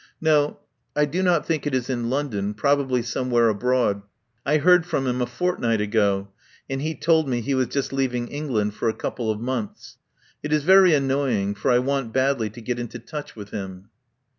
No, I do not think it is in London, probably somewhere abroad. I heard from him a fortnight ago, and he told me he was just leaving England for a couple of months. It is very annoying, for I want badly to get into touch with him."